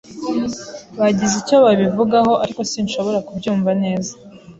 Bagize icyo babivugaho, ariko sinshobora kubyumva neza.